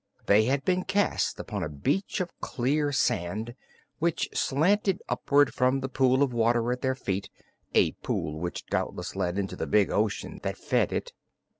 They had been cast upon a beach of clear sand, which slanted upward from the pool of water at their feet a pool which doubtless led into the big ocean that fed it.